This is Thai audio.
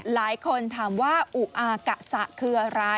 หลายคนถามว่าอุอากะสะคืออะไร